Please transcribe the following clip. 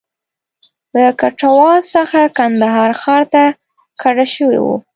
له کټواز څخه کندهار ښار ته کډه شوی و.